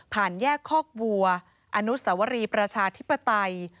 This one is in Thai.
แยกคอกวัวอนุสวรีประชาธิปไตย